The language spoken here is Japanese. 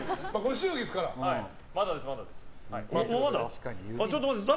まだです。